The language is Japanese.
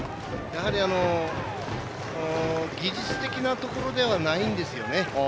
やはり技術的なところではないんですよね。